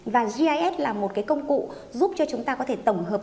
và gis là một cái công cụ giúp cho chúng ta có thể tổng hợp